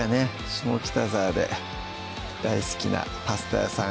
下北沢で大好きなパスタ屋さん